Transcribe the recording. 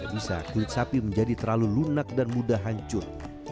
bisa kulit sapi menjadi terlalu lunak dan mudah hancur